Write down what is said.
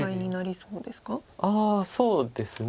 そうですね。